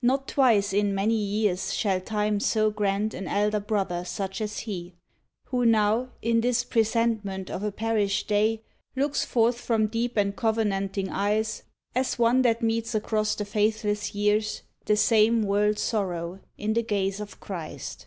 Not twice, in many years, shall Time so grant An Elder Brother such as he, who now, In this presentment of a perished day, Looks forth from deep and covenanting eyes, As one that meets across the faithless years The same world sorrow in the gaze of Christ.